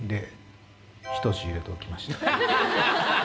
入れておきました。